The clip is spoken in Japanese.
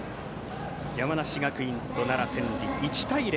山梨学院と奈良・天理１対０。